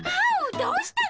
どうしたの？